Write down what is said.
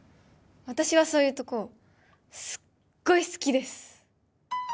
私はそういうとこすっごい好きです